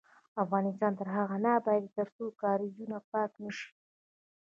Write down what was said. افغانستان تر هغو نه ابادیږي، ترڅو کاریزونه پاک نشي.